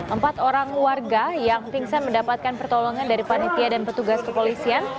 empat orang warga yang pingsan mendapatkan pertolongan dari panitia dan petugas kepolisian